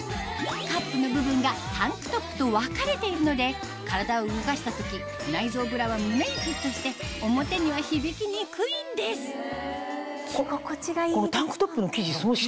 カップの部分がタンクトップと分かれているので体を動かした時内蔵ブラは胸にフィットして表には響きにくいんです着心地がいいですもんね。